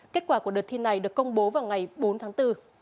kết quả của đợt thi này được công bố vào ngày bốn tháng bốn